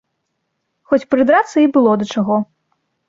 Хоць прыдрацца і было да чаго.